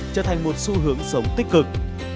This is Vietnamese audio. trở thành một xu hướng sống tích cực